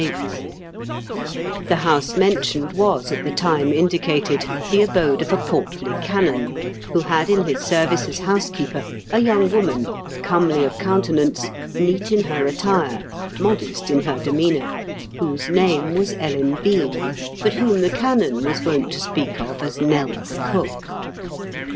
s 162 IN KENT WITH CEABLE8 DICKENS, The house mentioned was at the time indicated the abode of a portly canon, who had in his service as housekeeper a young woman, comely of countenance, neat in her attire, modest in her demeanour, whose name was Ellen Bean, but whom the canon was wont to speak of as Nell the Cook.